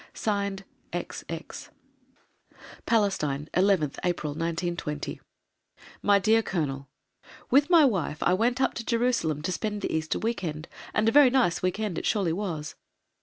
(Signed) XX. PALESTINE, 11TH APRIL, 1920. MY DEAR COLONEL, ... with my wife I went up to Jerusalem to spend the Easter week end, and a very nice week end it surely was!